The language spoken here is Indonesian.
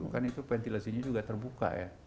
kan itu ventilasinya juga terbuka ya